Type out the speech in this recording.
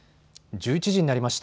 １１時になりました。